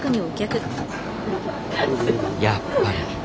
やっぱり。